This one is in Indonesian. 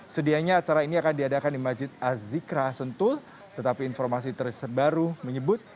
sedianya acara ini akan diadakan di masjid azikra sentul tetapi informasi terbaru menyebut